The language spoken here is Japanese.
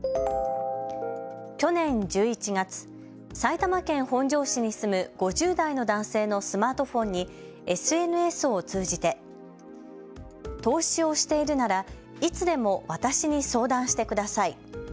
去年１１月、埼玉県本庄市に住む５０代の男性のスマートフォンにＳＮＳを通じて投資をしているならいつでも私に相談してください。